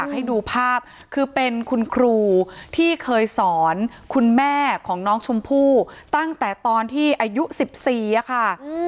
ให้ดูภาพคือเป็นคุณครูที่เคยสอนคุณแม่ของน้องชมพู่ตั้งแต่ตอนที่อายุ๑๔ค่ะ